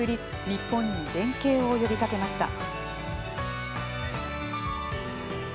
日本に連携を呼びかけました。